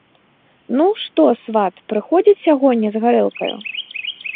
Ну, што, сват, прыходзіць сягоння з гарэлкаю?